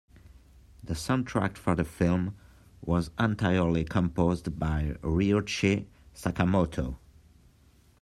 The soundtrack for the film was entirely composed by Ryuichi Sakamoto.